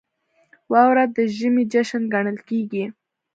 • واوره د ژمي جشن ګڼل کېږي.